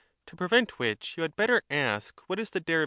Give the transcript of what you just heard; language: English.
To prevent which, you had better ask what is the deri Cratyius.